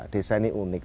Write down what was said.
desa ini unik